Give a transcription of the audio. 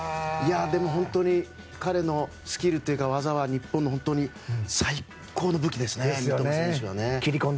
でも本当に彼のスキルというか技は日本の最高の武器ですね。